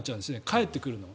返ってくるのが。